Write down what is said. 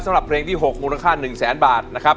สำหรับเพลงที่๖มูลค่า๑แสนบาทนะครับ